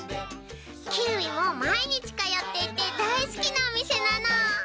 キーウィもまいにちかよっていてだいすきなおみせなの。